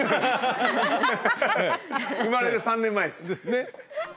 生まれる３年前です。ですね。